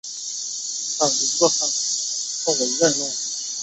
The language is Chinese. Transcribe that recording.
同知南院枢密使事。